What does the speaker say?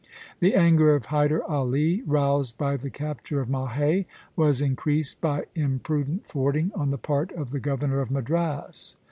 The anger of Hyder Ali, roused by the capture of Mahé, was increased by imprudent thwarting on the part of the governor of Madras.